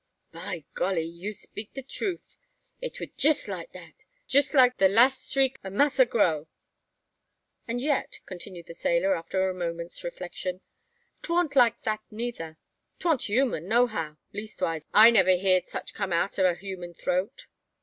"By golly! you speak de troof. It wa jess like that, jess like the lass s'riek ob Massa Grow." "And yet," continued the sailor, after a moment's reflection, "'t warn't like that neyther. 'T warn't human, nohow: leastwise, I niver heerd such come out o' a human throat."